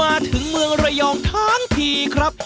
มาถึงเมืองระยองทั้งทีครับ